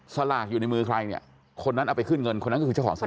สลากอยู่ในมือใครเนี่ยคนนั้นเอาไปขึ้นเงินคนนั้นก็คือเจ้าของสลาก